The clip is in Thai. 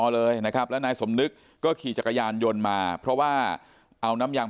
เลยนะครับแล้วนายสมนึกก็ขี่จักรยานยนต์มาเพราะว่าเอาน้ำยาง